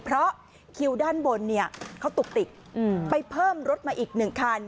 เพราะคิวด้านบนเขาตุกติกไปเพิ่มรถมาอีก๑คัน